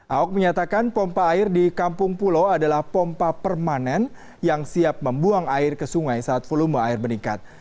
ahok menyatakan pompa air di kampung pulau adalah pompa permanen yang siap membuang air ke sungai saat volume air meningkat